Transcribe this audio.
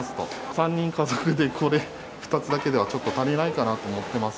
３人家族でこれ２つだけではちょっと足りないかなと思ってます。